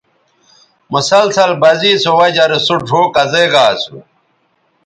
مسلسل بزے سو وجہ رے سو ڙھؤ کزے گا اسو